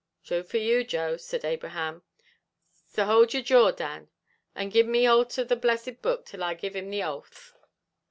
"Thrue for you, Joe," said Abraham; "so hould yer jaw, Dan, and give me hoult of the blessed book till I give him the oath."